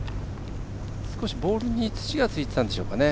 少しボールに土がついてたんでしょうかね。